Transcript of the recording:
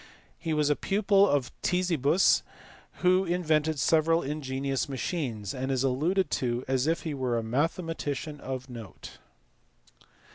He was a pupil of Ctesibus who invented several ingenious machines and is alluded to as if he were a mathematician of note.